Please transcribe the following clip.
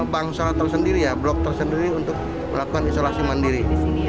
blok tersendiri untuk melakukan isolasi mandiri